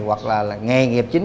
hoặc là nghề nghiệp chính